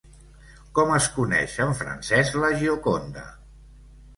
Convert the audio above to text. Com es coneix en francès La Gioconda?